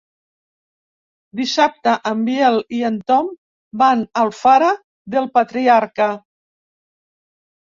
Dissabte en Biel i en Tom van a Alfara del Patriarca.